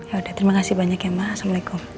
ya terima kasih banyak ya ma assalamualaikum